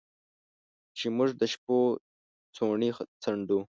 چې موږ د شپو څوڼې څنډو